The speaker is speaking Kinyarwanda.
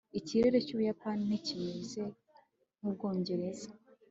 ikirere cy'ubuyapani ntikimeze nk'ubwongereza